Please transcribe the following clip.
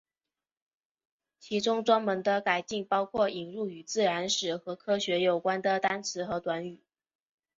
其中专门的改进包括引入与自然史和科学有关的单词和短语。